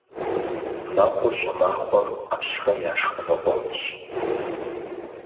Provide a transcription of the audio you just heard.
Мэкъур щӀымахуэм Ӏэщхэм я шхыныгъуэфӀщ.